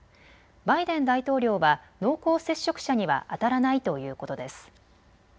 バイデン大統領は濃厚接触者にはあたらないということです。